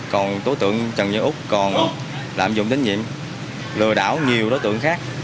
còn tố tượng trần văn út còn lạm dụng tín nhiệm lừa đảo nhiều tố tượng khác